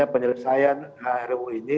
penyelesaian rutpks ini